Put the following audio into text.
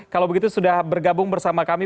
kalau begitu sudah bergabung bersama kami